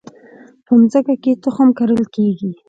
په مځکه کې تخم کرل کیږي